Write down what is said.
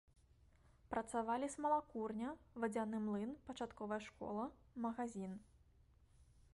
Працавалі смалакурня, вадзяны млын, пачатковая школа, магазін.